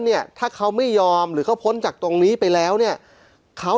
เนี่ยถ้าเขาไม่ยอมหรือเขาพ้นจากตรงนี้ไปแล้วเนี่ยเขา